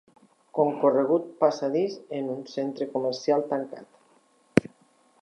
Concorregut passadís en un centre comercial tancat.